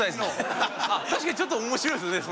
確かにちょっと面白いですよね。